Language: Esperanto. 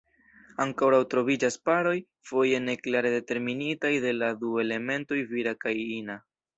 Ankoraŭ troviĝas paroj, foje ne klare determinitaj de la du elementoj vira kaj ina.